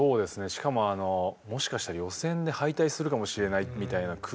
しかももしかしたら予選で敗退するかもしれないみたいな空気感もあって。